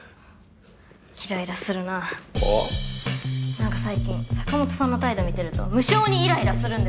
何か最近坂本さんの態度見てると無性にイライラするんです。